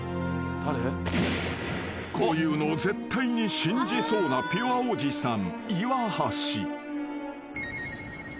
［こういうのを絶対に信じそうなピュアおじさん］